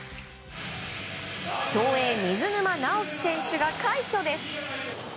競泳、水沼尚輝選手が快挙です。